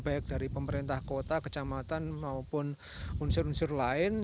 baik dari pemerintah kota kecamatan maupun unsur unsur lain